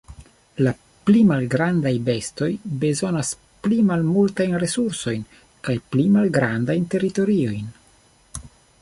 La pli malgrandaj bestoj bezonas pli malmultajn resursojn kaj pli malgrandajn teritoriojn.